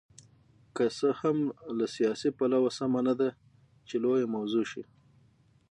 که څه هم له سیاسي پلوه سمه نه ده چې لویه موضوع شي.